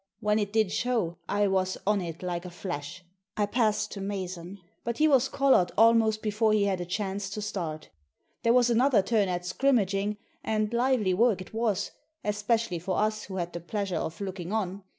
When it did show, I was on it like a flash. I passed to Mason. But he was collared almost before he had a chance to start There was another turn at scrimmaging, and lively work it was, especially for us who had the pleasure of looking on.